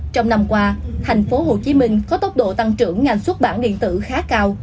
trong năm qua tp hcm có tốc độ tăng trưởng ngành xuất bản điện tử khá cao